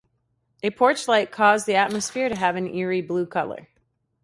A porch light caused the atmosphere to have an eerie blue color.